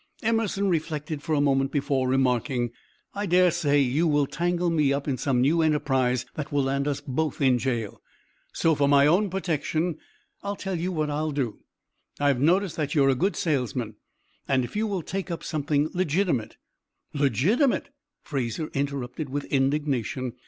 Emerson reflected for a moment before remarking: "I dare say you will tangle me up in some new enterprise that will land us both in jail, so for my own protection I'll tell you what I'll do. I have noticed that you are a good salesman, and if you will take up something legitimate " "Legitimate!" Fraser interrupted, with indignation.